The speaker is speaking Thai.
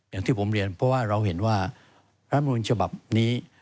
อย่างที่ผมเรียนเพราะว่าเราเห็นว่ารัฐมนุนฉบับนี้